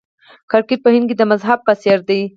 کرکټ په هند کې د مذهب په څیر دی.